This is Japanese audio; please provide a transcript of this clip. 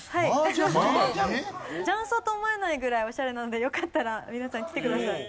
雀荘と思えないぐらいオシャレなんでよかったら皆さん来てください。